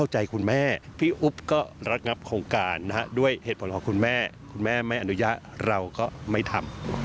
เหตุผลของคุณแม่คุณแม่ไม่อนุญาเราก็ไม่ทำ